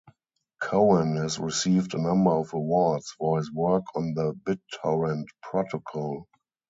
Cohen has received a number of awards for his work on the BitTorrent protocol.